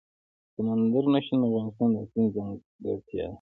سمندر نه شتون د افغانستان د اقلیم ځانګړتیا ده.